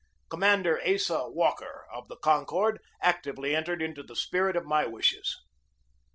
Commander Asa Walker, of the Concord, actively entered into the spirit of my wishes.